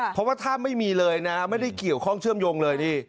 เพราะว่าถ้าไม่มีเลยนะไม่ได้เกี่ยวข้องเชื่อมโยงเลยนี่